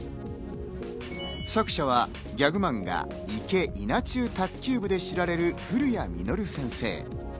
作者はギャグマンガ、『行け！稲中卓球部』で知られる古谷実先生。